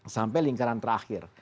sampai lingkaran terakhir